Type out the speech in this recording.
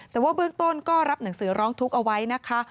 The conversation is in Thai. แต่ว่าเบื้องต้นก็รับหนังสือร้องทุกข์เอาไว้นะคะ